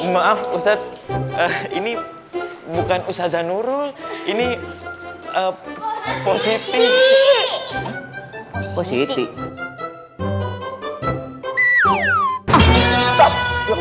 maaf ustadz ini bukan ustadz zahnurul ini positif positif